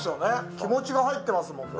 気持ちが入ってますもんね。